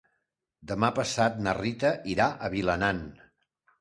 Demà passat na Rita irà a Vilanant.